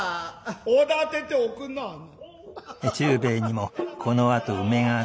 おだてておくんなはんな。